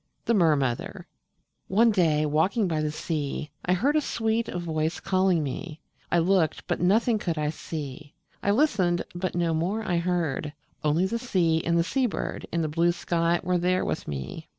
THE MER MOTHER One day, walking by the sea, I heard a sweet voice calling me: I looked but nothing could I see; I listened but no more I heard; Only the sea and the sea bird And the blue sky were there with me.